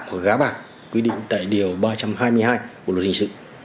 của gá bạc quy định tại điều ba trăm hai mươi hai bộ luật hình sự